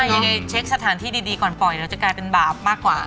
ยังไงเช็คสถานที่ดีก่อนปล่อยเดี๋ยวจะกลายเป็นบาปมากกว่า